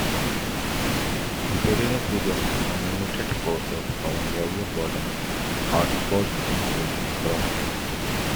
Emperor Suzong summoned forces from various border outposts, including from Anxi.